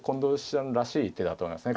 段らしい手だと思いますね。